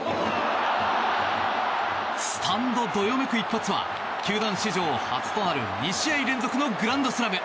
スタンドどよめく一発は球団史上初となる２試合連続のグランドスラム。